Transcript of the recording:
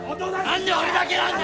何で俺だけなんだ！